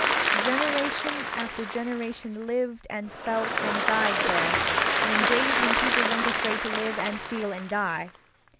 Generation after generation lived and felt and died there, and in days when people weren't afraid to live and feel and die.